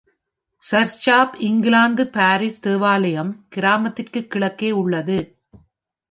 Search of England parish தேவாலயம் கிராமத்திற்கு கிழக்கே உள்ளது.